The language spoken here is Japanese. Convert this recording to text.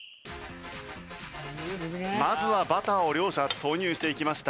まずはバターを両者投入していきました。